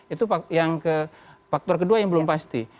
itu yang ke faktor kedua yang belum pasti